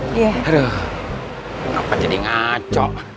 kenapa jadi ngaco